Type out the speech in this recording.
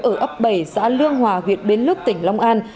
ở ấp bảy xã lương hòa huyện bến lức tỉnh long an